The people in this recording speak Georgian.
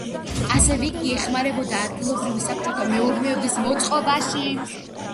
ასევე იგი ეხმარებოდა ადგილობრივი საბჭოთა მეურნეობის მოწყობაში.